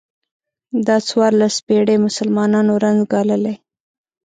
دا څوارلس پېړۍ مسلمانانو رنځ ګاللی.